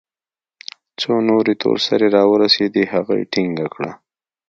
څو نورې تور سرې راورسېدې هغه يې ټينګه كړه.